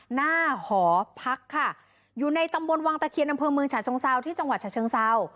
หอพักค่ะอยู่ในตำบลวังตะเคียนอำเภอเมืองฉะเชิงเซาที่จังหวัดฉะเชิงเซา